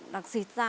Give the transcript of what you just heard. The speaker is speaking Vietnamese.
đặc xịt ra